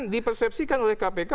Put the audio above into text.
dipersepsikan oleh kpk